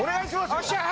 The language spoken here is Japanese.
よっしゃ！